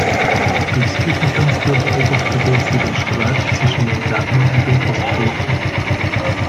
Durchs Küchenfenster beobachtete sie den Streit zwischen dem Gärtner und dem Postboten.